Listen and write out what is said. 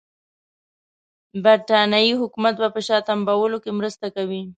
برټانیې حکومت به په شا تمبولو کې مرسته کوي.